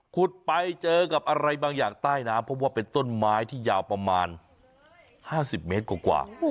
ขุดไปเจอกับอะไรบางอย่างใต้น้ำเพราะว่าเป็นต้นไม้ที่ยาวประมาณ๕๐เมตรกว่า